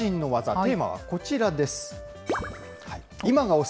テーマはこちらです。